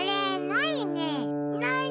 ないね。